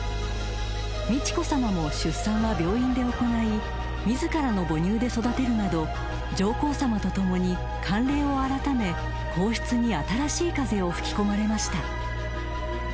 ［美智子さまも出産は病院で行い自らの母乳で育てるなど上皇さまと共に慣例を改め皇室に新しい風を吹き込まれました］